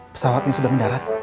pesawatnya sudah mendarat